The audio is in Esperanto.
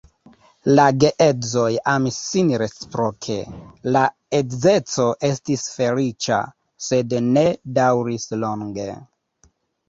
La geedzoj amis sin reciproke, la edzeco estis feliĉa, sed ne daŭris longe.